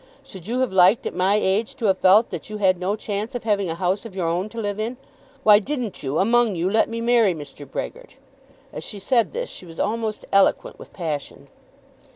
Should you have liked at my age to have felt that you had no chance of having a house of your own to live in? Why didn't you, among you, let me marry Mr. Brehgert?" As she said this she was almost eloquent with passion.